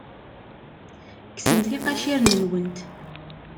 Kksemt iqaciren-nwent.